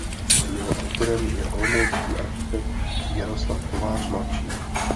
Jeho autorem je olomoucký architekt Jaroslav Kovář mladší.